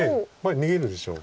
逃げるでしょう。